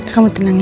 kamu tenang ya